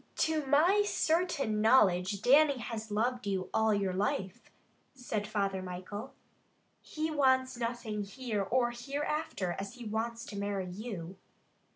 "To my certain knowledge Dannie has loved you all your life," said Father Michael. "He wants nothing here or hereafter as he wants to marry you."